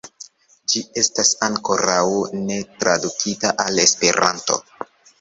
Ĝi estas ankoraŭ ne tradukita al Esperanto.